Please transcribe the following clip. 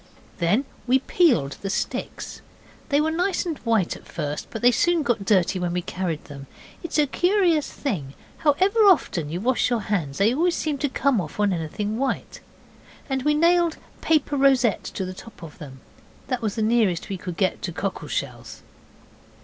Then we peeled the sticks. They were nice and white at first, but they soon got dirty when we carried them. It is a curious thing: however often you wash your hands they always seem to come off on anything white. And we nailed paper rosettes to the tops of them. That was the nearest we could get to cockle shells.